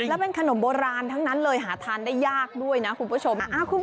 แล้วเป็นขนมโบราณทั้งนั้นเลยหาทานได้ยากด้วยนะคุณผู้ชม